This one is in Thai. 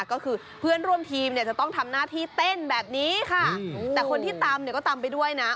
ก็คือเพื่อนร่วมทีมเนี่ยจะต้องทำหน้าที่เต้นแบบนี้ค่ะแต่คนที่ตำเนี่ยก็ตำไปด้วยนะ